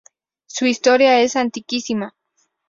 Su historia es antiquísima.